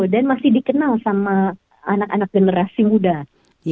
dan masih dikenal sama anak anak generasi muda